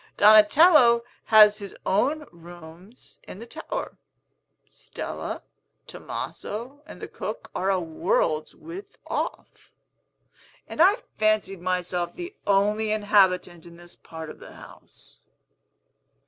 Donatello has his own rooms in the tower; Stella, Tomaso, and the cook are a world's width off; and I fancied myself the only inhabitant in this part of the house."